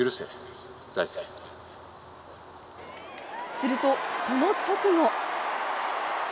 すると、その直後。